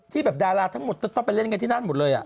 แบบดาราทั้งหมดจะต้องไปเล่นกันที่นั่นหมดเลย